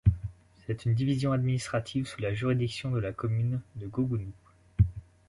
C'est une division administrative sous la juridiction de la commune de Gogounou.